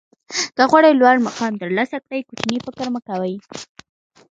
که غواړئ لوړ مقام ترلاسه کړئ کوچنی فکر مه کوئ.